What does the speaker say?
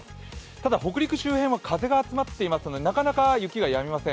ただ、北陸周辺は風が集まっていますので、なかなか雪がやみません。